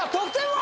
は